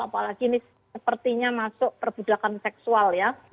apalagi ini sepertinya masuk perbudakan seksual ya